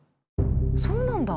そうなんだ。